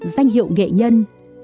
danh hiệu nghệ nhân